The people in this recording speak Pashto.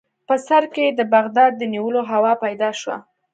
په سر کې یې د بغداد د نیولو هوا پیدا شوه.